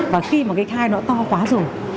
và khi mà cái thai nó to quá rồi